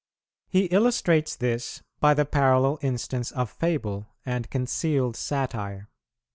He illustrates this by the parallel instance of fable and concealed satire.